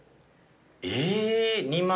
え２万。